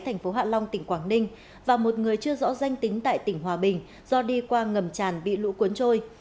thành phố hạ long tỉnh quảng ninh và một người chưa rõ danh tính tại tỉnh hòa bình do đi qua ngầm tràn bị lũ cuốn trôi